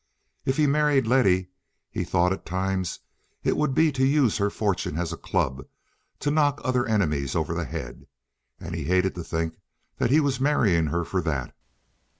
If he married Letty he thought at times it would be to use her fortune as a club to knock other enemies over the head, and he hated to think he was marrying her for that.